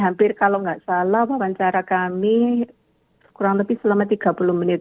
hampir kalau nggak salah wawancara kami kurang lebih selama tiga puluh menit